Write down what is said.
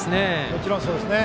もちろんそうですね。